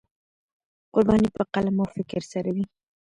قرباني په قلم او فکر سره وي.